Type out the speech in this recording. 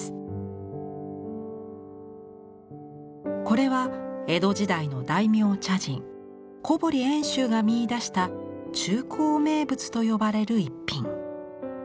これは江戸時代の大名茶人小堀遠州が見いだした「中興名物」と呼ばれる逸品。